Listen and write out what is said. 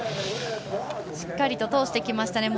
しっかりと通してきました。